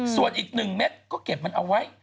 ส่วนอีก๑เม็ดก็เก็บมันเอาไว้